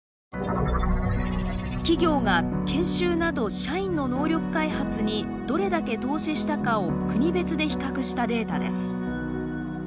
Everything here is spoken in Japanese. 企業が研修など社員の能力開発にどれだけ投資したかを国別で比較したデータです。